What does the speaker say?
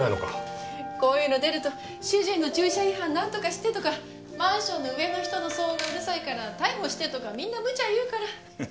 こういうの出ると主人の駐車違反なんとかしてとかマンションの上の人の騒音がうるさいから逮捕してとかみんな無茶言うから。